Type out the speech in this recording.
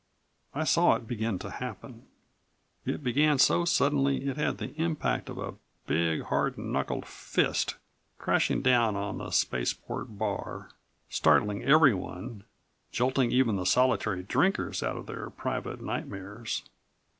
I saw it begin to happen. It began so suddenly it had the impact of a big, hard knuckled fist crashing down on the spaceport bar, startling everyone, jolting even the solitary drinkers out of their private nightmares.